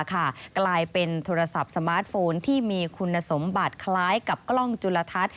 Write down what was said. กลายเป็นโทรศัพท์สมาร์ทโฟนที่มีคุณสมบัติคล้ายกับกล้องจุลทัศน์